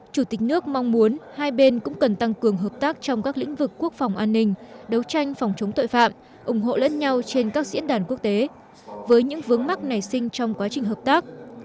chủ tịch nước mong muốn hai bên cũng cần tăng cường hợp tác trong các lĩnh vực quốc phòng an ninh đấu tranh phòng chống tội phạm ủng hộ lẫn nhau trên các diễn đàn quốc tế với những vướng mắt nảy sinh trong quá trình hợp tác